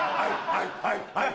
はいのはいのはい！